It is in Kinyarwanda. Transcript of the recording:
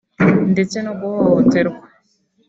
ndetse no guhohoterwa